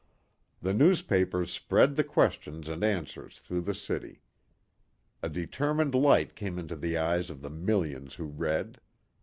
The newspapers spread the questions and answers through the city. A determined light came into the eyes of the millions who read.